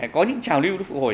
có những trào lưu nó phụ hồi